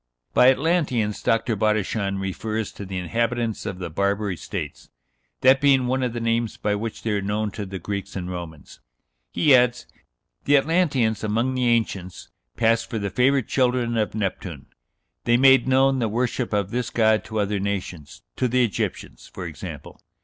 By Atlanteans Dr. Bodichon refers to the inhabitants of the Barbary States that being one of the names by which they were known to the Greeks and Romans. He adds: "The Atlanteans, among the ancients, passed for the favorite children of Neptune; they made known the worship of this god to other nations to the Egyptians, for example.